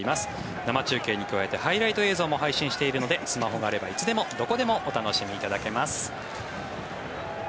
生中継に加えてハイライト映像も配信していますのでスマホがあればいつでもどこでもお楽しみいただけます。